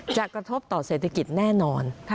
กระทบต่อเศรษฐกิจแน่นอน